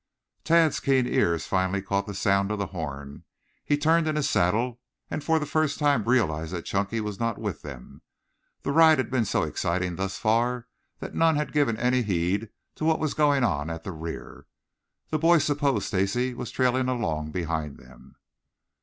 Tad's keen ears finally caught the sound of the horn. He turned in his saddle, and for the first time realized that Chunky was not with them. The ride had been so exciting thus far that none had given any heed to what was going on at the rear. The boys supposed Stacy was trailing along behind them.